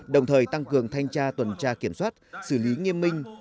đồng thời tăng cường thanh tra tuần tra kiểm soát xử lý nghiêm minh